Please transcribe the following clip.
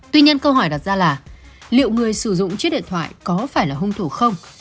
tuy nhiên câu hỏi đặt ra là liệu người sử dụng chiếc điện thoại có phải là hung thủ không